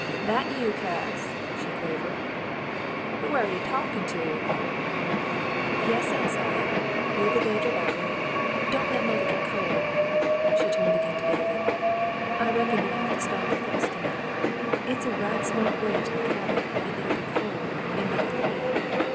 *'That you, Cass "?" she quavered. "Who aire ye talkin' to.^" "Yes, Aunt Sally, we'll be there directly. Don't let mothah get cold." She turned again to David. "I reckon you'll have to stop with us to night. It's a right smart way to the cabin, and it'll be cold, and nothing to eat.